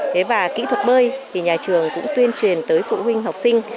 thế và kỹ thuật bơi thì nhà trường cũng tuyên truyền tới phụ huynh học sinh